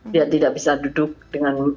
dia tidak bisa duduk dengan